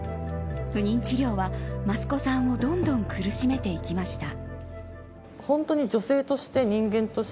不妊治療は益子さんをどんどん苦しめていきました。